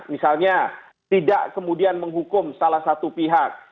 misalnya tidak kemudian menghukum salah satu pihak